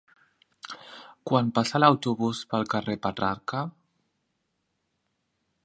Quan passa l'autobús pel carrer Petrarca?